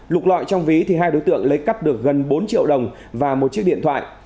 lục lọi trong ví hai đối tượng lấy cắp được gần bốn triệu đồng và một chiếc điện thoại